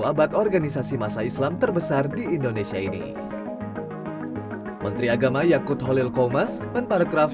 labat organisasi masa islam terbesar di indonesia ini menteri agama yakut holil komas menparekraf